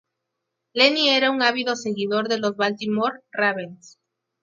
Lenny era un ávido seguidor de los Baltimore Ravens.